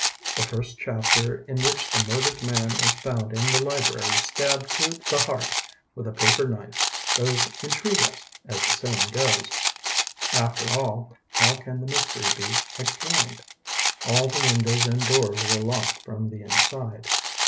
The first chap ter in which the murdered man is found in the library stabbed to the heart with a paper knife does intrigue us, as the saying goes. After all how can the mystery be explained? All the windows and doors were locked from the inside.